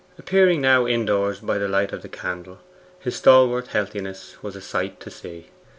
Appearing now, indoors, by the light of the candle, his stalwart healthiness was a sight to see.